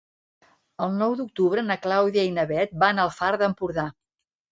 El nou d'octubre na Clàudia i na Bet van al Far d'Empordà.